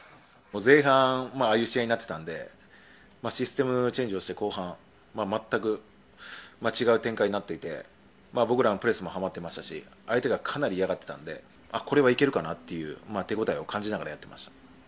前半ああいう試合になっていたのでシステムチェンジをして後半まったく違う展開になっていて僕らのプレスもはまっていたし相手がかなり嫌がっていたのでこれはいけるかなという手応えを感じながらやっていました。